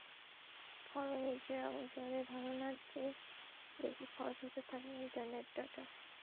ফলে নিজের অগোচরে ধারণার চেয়ে বেশি খরচ হতে থাকে ইন্টারনেট ডেটা।